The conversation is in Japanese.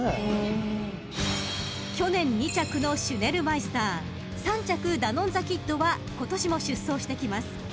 ［去年２着のシュネルマイスター３着ダノンザキッドは今年も出走してきます］